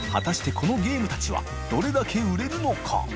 このゲームたちはどれだけ売れるのか？